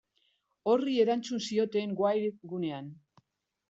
Horri erantzun zioten Wired gunean.